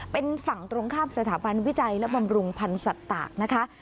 เป็นฝั่งตรงข้ามสถาบันวิจัยและบำรุงพันธ์สัตว์ตากนะคะ